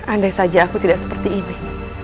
andai saja aku tidak seperti ini